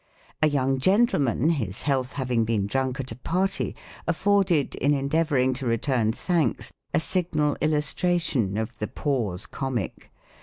A young gentleman, his health having been drunk at a party, atforded, in endeavoring to return thanks, a signal illustration of the Pause Comic.